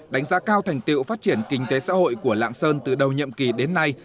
đánh giá cao thành tiệu phát triển kinh tế xã hội của lạng sơn từ đầu nhậm kỳ đến nay